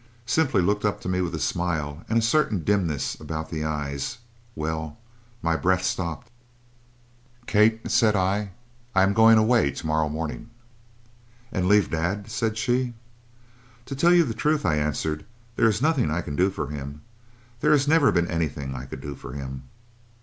Simply looked up to me with a smile, and a certain dimness about the eyes well, my breath stopped. "'Kate,' said I, 'I am going away to morrow morning!' "'And leave Dad?' said she. "'To tell you the truth,' I answered, 'there is nothing I can do for him. There has never been anything I could do for him.'